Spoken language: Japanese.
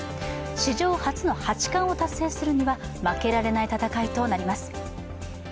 史上初の八冠を達成するには負けられない戦いとなります。